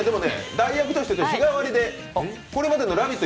代役として日替わりで、これまでの「ラヴィット！」